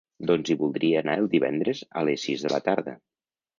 Doncs hi voldria anar el divendres a les sis de la tarda.